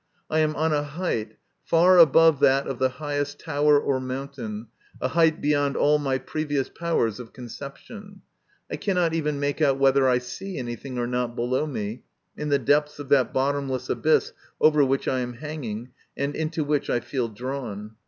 I am on a height far above that of the highest tower or mountain, a height beyond all my previous powers of conception. I cannot even make out whether I see anything or not below me, in the depths of that bottomless abyss over which I am hanging, and into which I feel drawn.